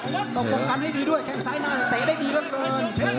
ต้องป้องกันให้ดีด้วยแข้งซ้ายหน้าเตะได้ดีเหลือเกิน